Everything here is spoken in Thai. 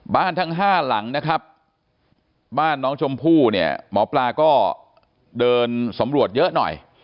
ทั้ง๕หลังนะครับบ้านน้องชมพู่เนี่ยหมอปลาก็เดินสำรวจเยอะหน่อย